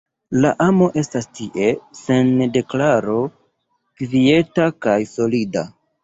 La amo estas tie, sen deklaro, kvieta kaj solida.